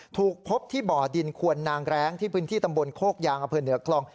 ถูกพบที่บ่อดินควนนางแร้งที่พื้นที่ตำบลโคกยางอำเภอเหนือคลอง